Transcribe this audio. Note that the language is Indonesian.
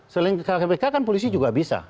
selain kpk kan polisi juga bisa